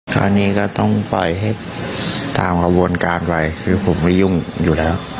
ตอนนี้ก็ต้องไปให้ตามอบวนการไปคือผมไม่ยุ่งอยู่แล้ว